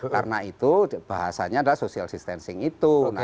karena itu bahasanya adalah social distancing itu